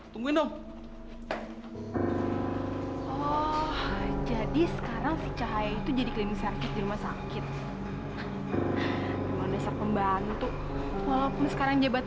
terima kasih ya